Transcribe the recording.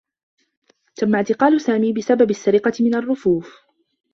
تمّ اعتقال سامي بسبب السّرقة من الرّفوف.